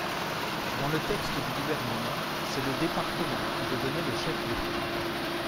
Dans le texte du Gouvernement, c’est le département qui devenait le chef de file.